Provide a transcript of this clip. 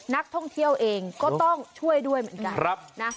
นักท่องเที่ยวเองก็ต้องช่วยด้วยเหมือนกันนะ